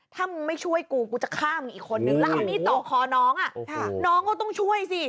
ถ้ามึงไม่ช่วยกูกูจะฆ่ามึงอีกคนนึงแล้วเอามีดเจาะคอน้องน้องก็ต้องช่วยสิ